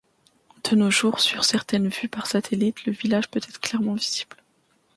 De nos jours sur certaines vues par satellite, le village peut être clairement visible.